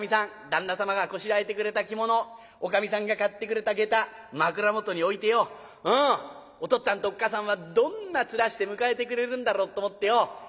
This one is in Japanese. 旦那様がこしらえてくれた着物おかみさんが買ってくれた下駄枕元に置いてよお父っつぁんとおっ母さんはどんな面して迎えてくれるんだろうと思ってよ